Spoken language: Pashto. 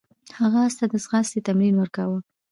هغه اس ته د ځغاستې تمرین ورکاوه.